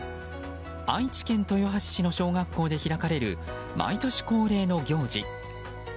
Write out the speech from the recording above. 愛知県豊橋市の小学校で開かれる毎年恒例の行事。